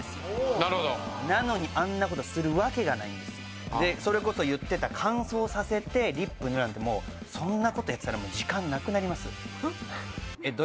なるほどなのにあんなことするわけがないんですよでそれこそ言ってた乾燥させてリップぬるなんてもうそんなことやってたらもう時間なくなります